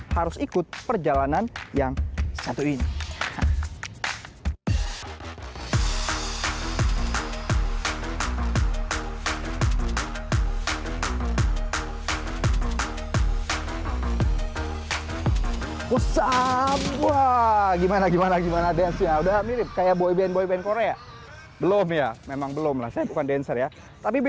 harus ikut perjalanan yang satu ini